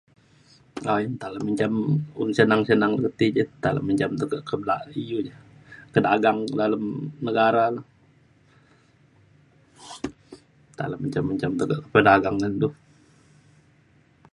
Nta le menjam un senang senang li ti nta lu ja menjam tekak kak iu ne ke dagang dalem negara le nta le menjam menjam kedagang tekak ngan du